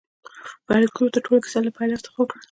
فریدګل ورته ټوله کیسه له پیل څخه وکړه